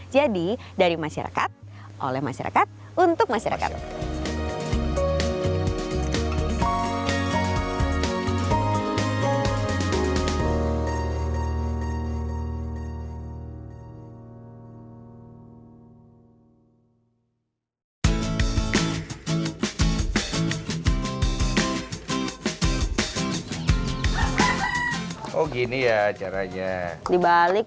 jadi dari masyarakat oleh masyarakat untuk masyarakat